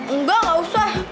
enggak gak usah